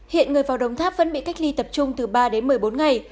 hiện người vào đồng tháp vẫn bị cách ly tập trung từ ba đến một mươi bốn ngày